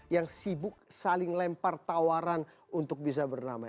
yang sibuk saling lempar tawaran untuk bisa bernamai